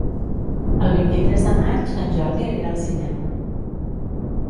El vint-i-tres de maig en Jordi anirà al cinema.